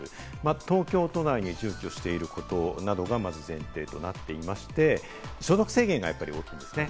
東京都内に住居していることが、まず前提となっていまして、所得制限が大きいですね。